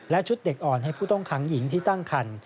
และชุดเด็กอ่อนให้ผู้ต้องขังหญิงที่ตั้งคัน